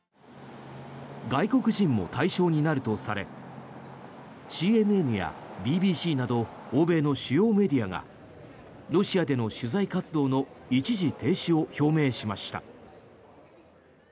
外国人も対象になるとされＣＮＮやＢＢＣなど欧米の主要メディアがロシアでの取材活動の一時停止を表明しました。